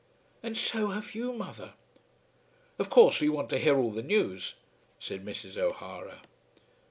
"And so have you, mother." "Of course we want to hear all the news," said Mrs. O'Hara.